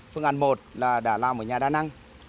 phương án một là đã làm ở nhà đa năng